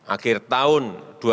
akhir tahun dua ribu dua puluh